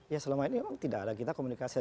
ya selama ini memang tidak ada kita komunikasi